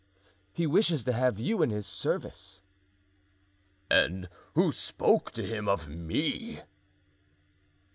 "He wishes to have you in his service." "And who spoke to him of me?"